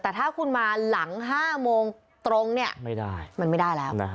แต่ถ้าคุณมาหลัง๕โมงตรงเนี่ยไม่ได้มันไม่ได้แล้ว